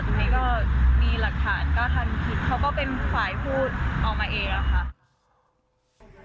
ทีนี้ก็มีหลักฐานก็ทันคิดเขาก็เป็นฝ่ายพูดออกมาเองอะค่ะ